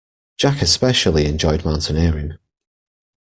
Jack especially enjoyed mountaineering.